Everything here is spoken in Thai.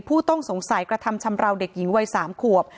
ผู้ต้องสงสัยกระทำชำราวเด็กหญิงวัย๓ขวบ